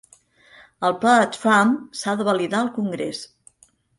El pla de Trump s'ha de validar al congrés